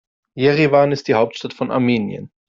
Jerewan ist die Hauptstadt von Armenien.